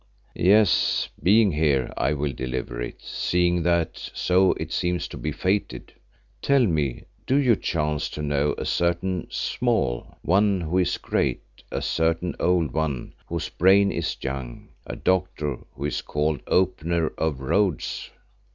"Yes, being here, I will deliver it, seeing that so it seems to be fated. Tell me, do you chance to know a certain Small One who is great, a certain Old One whose brain is young, a doctor who is called Opener of Roads?"